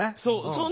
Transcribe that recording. そう。